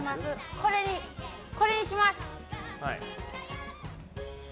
これにします。